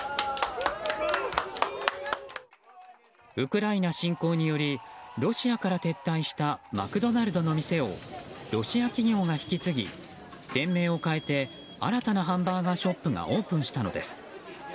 ウクライナ侵攻によりロシアから撤退したマクドナルドの店をロシア企業が引き継ぎ店名を変えて新たなハンバーガーショップがオープンしたのです。